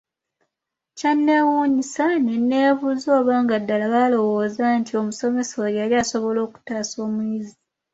Kyanneewuunyisa ne nneebuuza oba nga ddala balowooza nti omusomesa oyo yali asobola okutaasa omuyizi.